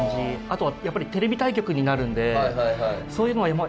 あとやっぱりテレビ対局になるんでそういうのはやっぱり